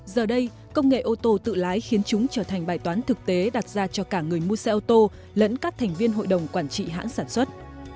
giờ đây công nghệ ô tô tự lái khiến chúng trở thành bài toán thực tế đặt ra cho cả người mua xe ô tô lẫn các thành viên hội đồng quản trị hãng sản xuất